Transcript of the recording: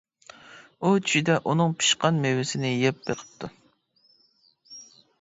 ئۇ چۈشىدە ئۇنىڭ پىشقان مېۋىسىنى يەپ بېقىپتۇ.